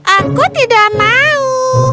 aku tidak mau